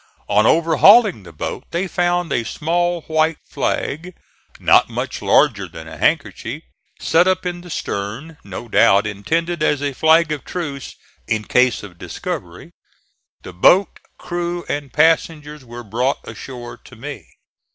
On overhauling the boat they found a small white flag, not much larger than a handkerchief, set up in the stern, no doubt intended as a flag of truce in case of discovery. The boat, crew and passengers were brought ashore to me.